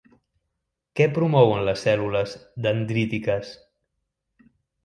Què promouen les cèl·lules dendrítiques?